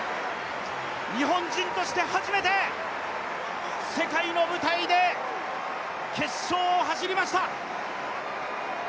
日本人として初めて世界の舞台で決勝を走りました。